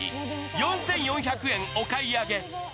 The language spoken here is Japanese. ４４００円、お買い上げ。